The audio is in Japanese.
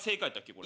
これ。